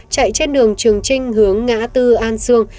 chạy trên đường trường trinh hướng ngã tư an sương